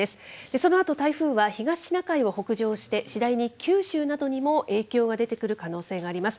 そのあと台風は、東シナ海を北上して、次第に九州などにも影響が出てくる可能性があります。